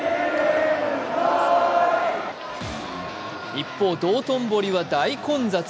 一方、道頓堀は大混雑。